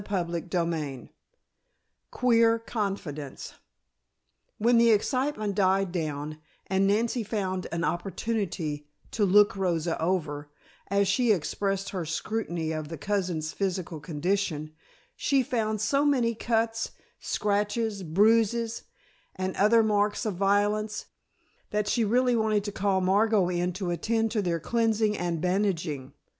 CHAPTER XIX QUEER CONFIDENCE When the excitement died down, and Nancy found an opportunity to "look Rosa over," as she expressed her scrutiny of the cousin's physical condition, she found so many cuts, scratches, bruises and other marks of violence, that she really wanted to call Margot in to attend to their cleansing and bandaging.